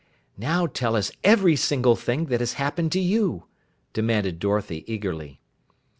"Now tell us every single thing that has happened to you," demanded Dorothy eagerly.